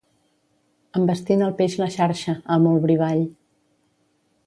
Envestint el peix la xarxa, el molt brivall.